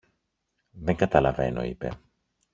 Δεν καταλαβαίνω, είπε.